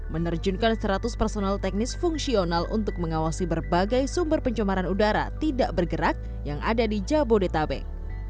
menerjunkan seratus personal teknis fungsional untuk mengawasi berbagai sumber pencemaran udara tidak bergerak yang ada di jabodetabek